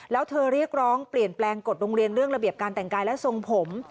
แล้วเธอเรียกร้องเปลี่ยนแปลงกฎโรงเรียนเรื่องระเบียบการแต่งกายและทรงผม